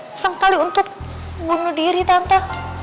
masang tali untuk bunuh diri tante